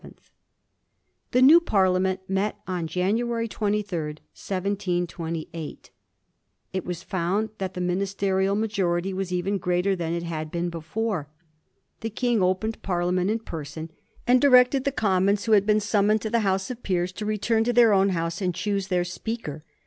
The new Parliament met on January 23, 1728. It was found that the ministerial maj ority was even greater than it had been before. The King opened Parlia ment in person, and directed the Commons, who had been summoned to the House of Peers, to return to their own House and choose their Speaker.